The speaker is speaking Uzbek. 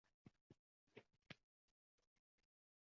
Sizga juda chiroyli narsa sovg‘a qilaman.